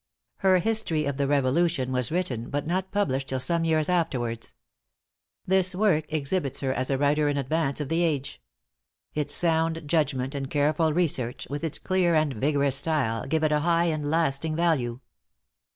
Her history of the Revolution was written, but not published till some years afterwards. This work exhibits her as a writer in advance of the age. Its sound judgment and careful research, with its clear and vigorous style, give it a high and lasting value.